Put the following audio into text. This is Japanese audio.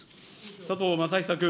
佐藤正久君。